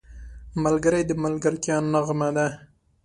ملګری د ملګرتیا نغمه ده